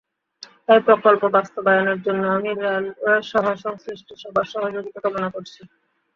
তাই প্রকল্প বাস্তবায়নের জন্য আমি রেলওয়েসহ সংশ্লিষ্ট সবার সহযোগিতা কামনা করছি।